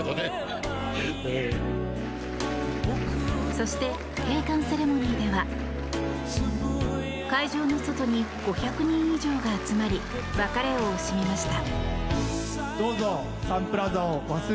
そして、閉館セレモニーでは会場の外に５００人以上が集まり別れを惜しみました。